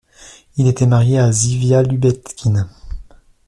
Il était marié à Zivia Lubetkin.